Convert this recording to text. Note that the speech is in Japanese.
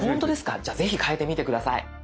じゃあぜひ変えてみて下さい。